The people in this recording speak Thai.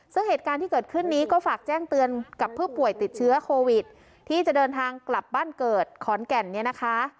ซึ่งเหตุการณ์ที่เกิดขึ้นนี้ก็ฝากแจ้งเตือนกับผู้ป่วยติดเชื้อโควิดที่จะเดินทางกลับบ้านเกิดขอนแก่นเนี่ยนะคะ